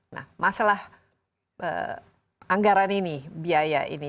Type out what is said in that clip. nah masalah anggaran ini biaya ini